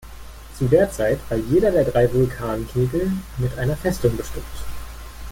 Zu der Zeit war jeder der drei Vulkankegel mit einer Festung bestückt.